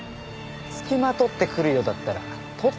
つきまとってくるようだったら取っ捕まえてくださいよ。